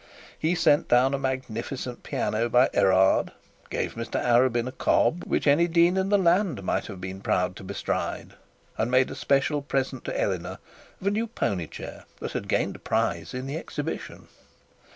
He sent down a magnificent piano by Erard, gave Mr Arabin a cob which any dean in the land might have been proud to bestride, and made a special present to Eleanor of a new pony chair that had gained a prize in the Exhibition.